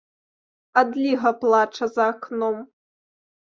Адліга плача за акном.